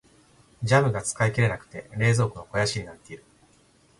ジャムが使い切れなくて冷蔵庫の肥やしになっている。